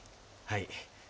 はい。